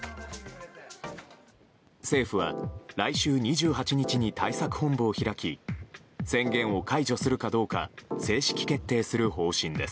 政府は来週２８日に対策本部を開き宣言を解除するかどうか正式決定する方針です。